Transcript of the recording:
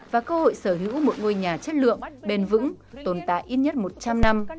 và cơ hội sở hữu một ngôi nhà chất lượng bền vững tồn tại ít nhất một trăm linh năm